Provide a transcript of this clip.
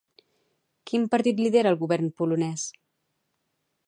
Quin partit lidera el govern polonès?